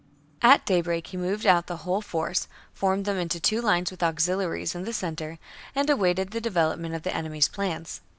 24. At daybreak he moved out the whole force, formed them in two lines with the auxili aries in the centre, and awaited the development of the enemy's plans.